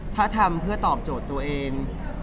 ถ้าทำเพื่อตอบโจทย์ตัวเอง